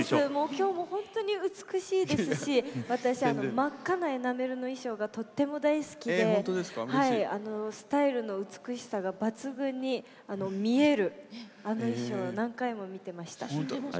今日も本当に美しいですし私は真っ赤なエナメルの衣装がとても大好きでスタイルの美しさが抜群に見えるあの衣装、何回も見ていました。